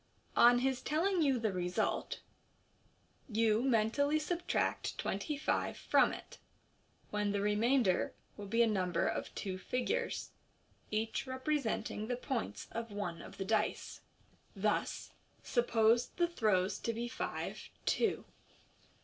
On his telling you the result, vol mentally subtract twenty five from it, when the remainder will be a number of two figures, each representing the points of one of the dice. Thus, suppose the throws to be five, two.